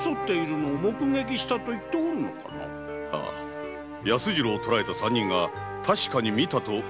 安次郎を捕らえた三人が「確かに見た」と証言しています。